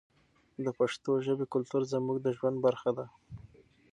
د پښتو ژبې کلتور زموږ د ژوند برخه ده.